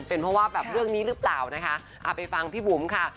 เป็นเพราะว่าเรื่องนี้รึเปล่านะคะ